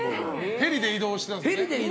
ヘリで移動してたんですよね。